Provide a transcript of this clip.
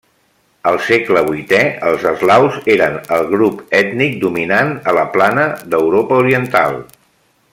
Al segle vuitè, els eslaus eren el grup ètnic dominant a la plana d'Europa oriental.